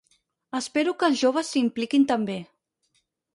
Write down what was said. Espero que els joves s’hi impliquin també.